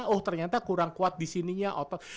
oh ternyata kurang kuat di sininya otot